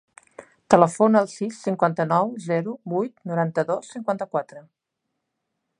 Telefona al sis, cinquanta-nou, zero, vuit, noranta-dos, cinquanta-quatre.